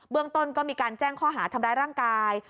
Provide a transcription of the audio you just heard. เรื่องต้นก็มีการแจ้งข้อหาทำร้ายร่างกาย